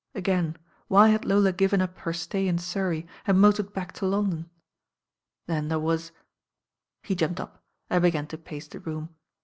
Again, why had Lola given up her stay in Surrey and motored back to London? Then there was He jumped up and began to pace the room.